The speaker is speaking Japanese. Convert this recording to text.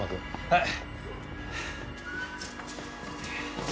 はい。